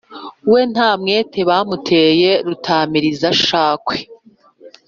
we nta mwete bamuteye rutamiriza-shakwe